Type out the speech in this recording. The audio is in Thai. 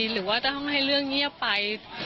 หรือว่าจะต้องให้เรื่องเงียบไป